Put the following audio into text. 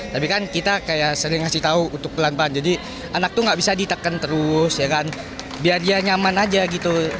tapi kan kita kayak sering ngasih tahu untuk pelan pelan jadi anak tuh gak bisa ditekan terus ya kan biar dia nyaman aja gitu